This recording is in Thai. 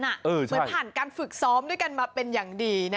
เหมือนผ่านการฝึกซ้อมด้วยกันมาเป็นอย่างดีนะ